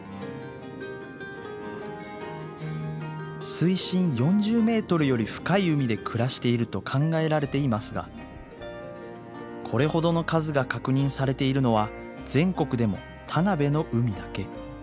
水深４０ｍより深い海で暮らしていると考えられていますがこれほどの数が確認されているのは全国でも田辺の海だけ。